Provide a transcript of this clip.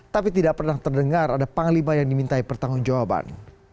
tapi tidak pernah terdengar ada panglima yang dimintai pertanggung jawaban